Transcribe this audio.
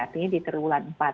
artinya di tiga bulan empat